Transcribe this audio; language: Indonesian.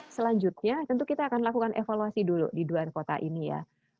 selanjutnya tentu kita akan lakukan evaluasi dulu di dua kota ini ya